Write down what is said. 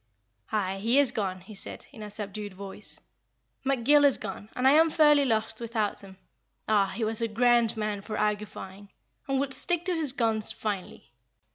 "Aye, he is gone," he said, in a subdued voice. "McGill is gone, and I am fairly lost without him. Ah! he was a grand man for argufying, and would stick to his guns finely.